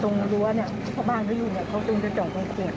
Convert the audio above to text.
ตรงรั้วเนี่ยเพราะบ้านเขาอยู่เนี่ยเขาก็คงจะเจาะตรงขวดเนี่ย